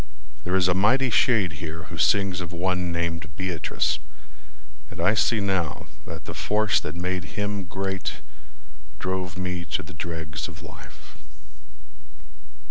... There is a mighty shade here who sings Of one named Beatrice; And I see now that the force that made him great Drove me to the dregs of life.